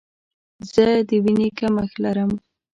زه د ویني کمښت لرم.